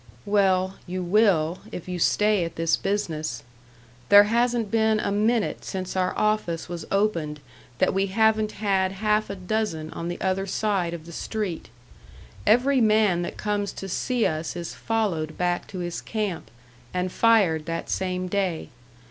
"Well, you will, if you stay at this business. There hasn't been a minute since our office was opened that we haven't had half a dozen on the other side of the street. Every man that comes to see us is followed back to his camp and fired that same day.